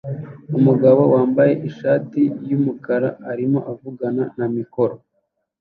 Umugabo wambaye ishati yumukara arimo avugana na mikoro